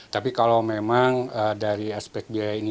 tapi kalau memang dari aspek biaya ini